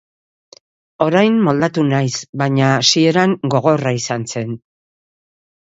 Orain moldatu naiz, baina hasieran gogorra izan zen.